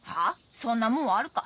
そんなもんあるか。